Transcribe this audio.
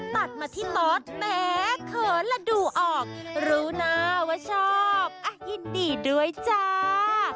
ตัดมาที่มอสแม้เขินและดูออกรู้หน้าว่าชอบยินดีด้วยจ้า